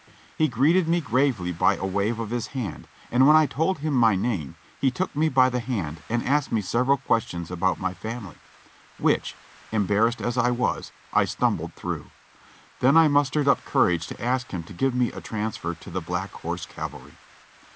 He greeted me gravely by a wave of his hand, and when I told him my name he took me by the hand and asked me sev eral questions about my family, which, embarrassed as I was, I stumbled through ; then I mustered up courage to ask him to give me a transfer to the Black Horse Cavalry.